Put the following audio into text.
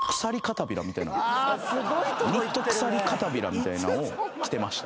みたいなんを着てました。